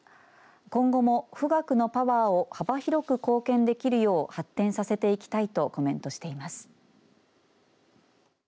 今後も富岳のパワーを幅広く貢献できるよう発展させていきたいとコメントしています。